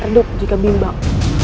erdup jika bimbang